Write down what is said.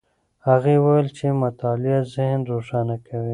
هغه وویل چې مطالعه ذهن روښانه کوي.